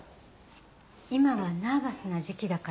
今はナーバスな時期だから。